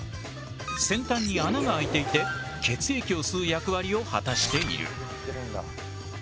先端に穴が開いていて血液を吸う役割を果たしている。